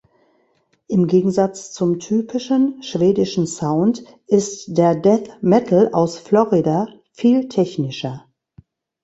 Im Gegensatz zum typischen schwedischen Sound ist der Death Metal aus Florida viel technischer.